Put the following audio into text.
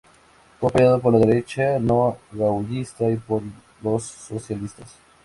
Fue apoyado por la derecha no gaullista y por los socialistas.